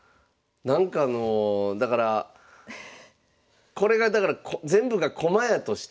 なんかあのだからこれがだから全部が駒やとして。